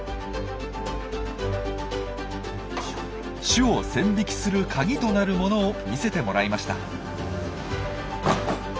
種を線引きするカギとなるものを見せてもらいました。